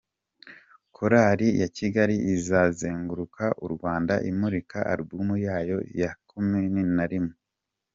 Korali ya Kigali izazenguruka u Rwanda imurika album yayo ya cumin na rimwe